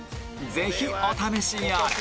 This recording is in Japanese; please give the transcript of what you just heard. ぜひお試しあれ！